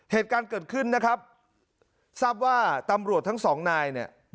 เหตุการณ์เกิดขึ้นนะครับทราบว่าตำรวจทั้งสองนายเนี่ย